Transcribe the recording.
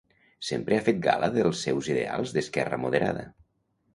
Sempre ha fet gala dels seus ideals d'esquerra moderada.